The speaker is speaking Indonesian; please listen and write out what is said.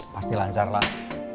pasti lancar lah